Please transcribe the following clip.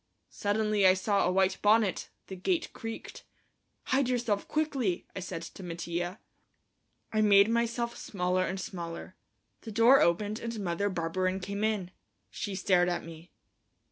Suddenly I saw a white bonnet. The gate creaked. "Hide yourself quickly," I said to Mattia. I made myself smaller and smaller. The door opened and Mother Barberin came in. She stared at me.